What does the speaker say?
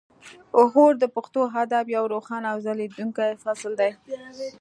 غور د پښتو ادب یو روښانه او ځلیدونکی فصل دی